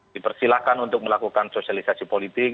dipersilahkan untuk melakukan sosialisasi politik